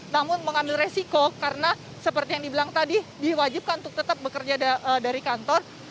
namun mengambil resiko karena seperti yang dibilang tadi diwajibkan untuk tetap bekerja dari kantor